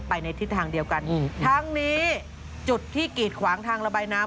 ในทิศทางเดียวกันทั้งนี้จุดที่กีดขวางทางระบายน้ำ